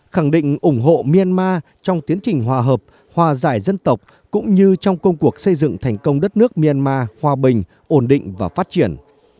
khẳng định ủng hộ myanmar trong tiến trình hòa hợp hòa giải dân tộc cũng như trong công cuộc xây dựng thành công đất nước myanmar hòa bình ổn định và phát triển